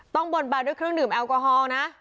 บนบานด้วยเครื่องดื่มแอลกอฮอล์นะ